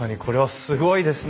すごいですね。